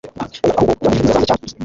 Oya ahubwo byambujije inzira zanjye cyane